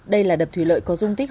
đây là đập thủy lợi có dung tích